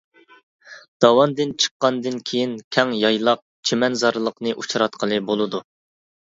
داۋاندىن چىققاندىن كېيىن كەڭ يايلاق، چىمەنزارلىقنى ئۇچراتقىلى بولىدۇ.